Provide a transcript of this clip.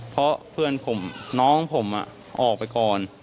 เพราะเพื่อนผมน้องผมออกไปก่อน